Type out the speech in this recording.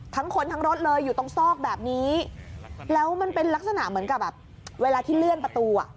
ทั้งคนทั้งรถเลยอยู่ตรงซอกแบบนี้แล้วมันเป็นลักษณะเหมือนกับแบบเวลาที่เลื่อนประตูอ่ะ